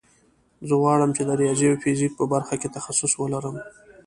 زه غواړم چې د ریاضي او فزیک په برخه کې تخصص ولرم